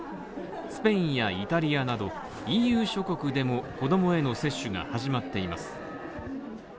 スペインやイタリアなどＥＵ諸国でも、子供への接種が始まっています。